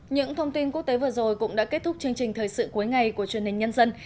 những thông tin quốc tế vừa rồi cũng đã kết thúc chương trình thời sự cuối ngày của truyền hình nhân dân